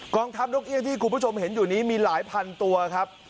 องทัพนกเอี่ยงที่คุณผู้ชมเห็นอยู่นี้มีหลายพันตัวครับ